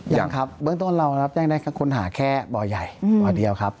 ยังครับเบื้องต้นเรารับแจ้งได้ค้นหาแค่บ่อใหญ่บ่อเดียวครับ